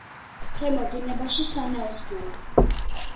ქვემო დინებაში სანაოსნოა.